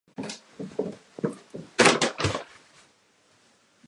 長野県下條村